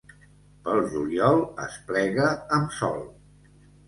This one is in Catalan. Pel juliol es plega amb sol.